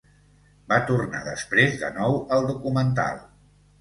Va tornar després de nou al documental.